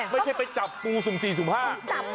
ไม่ใช่ไปจับปูสุ่มสี่สุ่มห้า